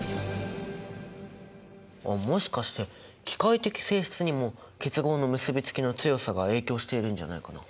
あもしかして機械的性質にも結合の結びつきの強さが影響しているんじゃないかな？